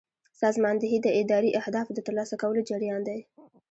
سازماندهي د اداري اهدافو د ترلاسه کولو جریان دی.